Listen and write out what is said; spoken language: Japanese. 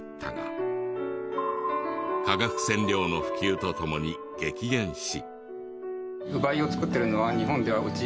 化学染料の普及とともに激減し。